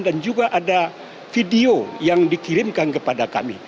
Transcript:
dan juga ada video yang dikirimkan kepada kami